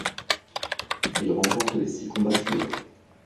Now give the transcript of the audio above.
Il remporte les six combats suivants.